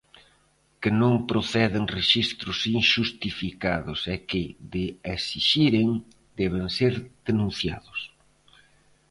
Que non proceden rexistros inxustificados e que, de esixiren, deben ser denunciados.